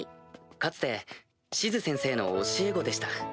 かつてシズ先生の教え子でした。